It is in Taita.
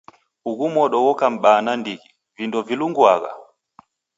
Ughu modo ghoka m'baa nandighi, vindo vilunguagha!